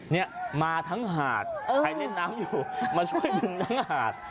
เนี่ยมาทั้งหาดใครเล่นน้ำอยู่มาช่วยดึงทั้งหาด